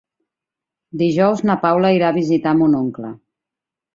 Dijous na Paula irà a visitar mon oncle.